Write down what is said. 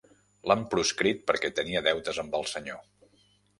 L'han proscrit perquè tenia deutes amb el senyor.